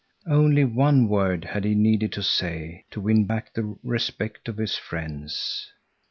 Only one word had he needed to say to win back the respect of his friends.